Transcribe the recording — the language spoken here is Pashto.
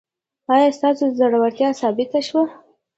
ایا ستاسو زړورتیا ثابته شوه؟